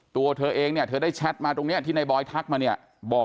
ตัวเธอเองเนี่ยเธอได้แชทมาตรงนี้ที่ในบอยทักมาเนี่ยบอก